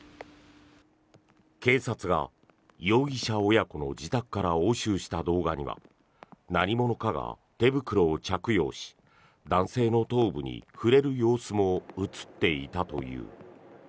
警察が容疑者親子の自宅から押収した動画には何者かが手袋を着用し男性の頭部に触れる様子も映っていたという。